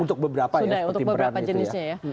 untuk beberapa ya untuk beberapa jenisnya ya